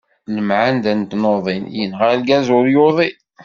Lemɛenda n tnuḍin, yenɣan argaz ur yuḍin.